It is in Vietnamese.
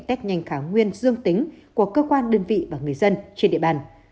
test nhanh kháng nguyên dương tính của cơ quan đơn vị và người dân trên địa bàn